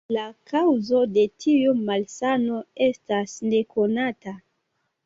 La kaŭzo de tiu malsano estas nekonata.